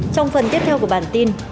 trong phần tiếp theo của bản tin